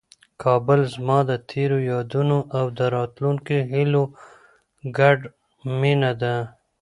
کابل زما د تېرو یادونو او د راتلونکي هیلو ګډه مېنه ده.